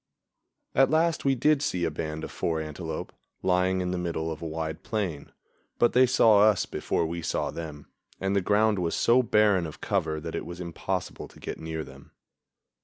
At last we did see a band of four antelope, lying in the middle of a wide plain, but they saw us before we saw them, and the ground was so barren of cover that it was impossible to get near them.